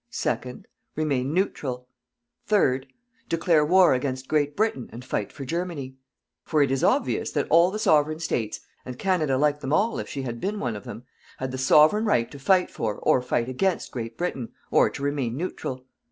Second: Remain neutral. Third: Declare war against Great Britain and fight for Germany. For it is obvious that all the Sovereign States and Canada like them all if she had been one of them had the Sovereign Right to fight for or against Great Britain, or to remain neutral.